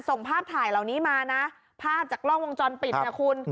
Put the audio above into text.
ส่งภาพถ่ายเหล่านี้มานะภาพจากกล้องวงจรปิดนะคุณ